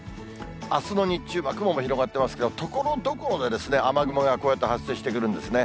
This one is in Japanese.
あすの日中は雲も広がっていますけれども、ところどころで、雨雲がこうやって発生してくるんですね。